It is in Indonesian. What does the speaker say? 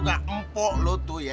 gak empuk loh tuh ya